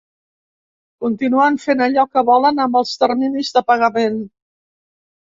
Continuen fent allò que volen amb els terminis de pagament.